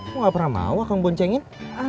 kok gak pernah mau akang boncengin